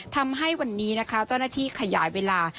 ทำให้วันนี้นะคะเจ้าหน้าที่ขยายเวลา